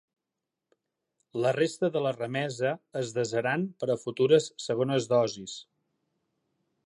La resta de la remesa es desaran per a futures segones dosis.